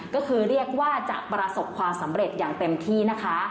ก็คือเรียกว่าจะประสบความสำเร็จอย่างเต็มที่นะคะ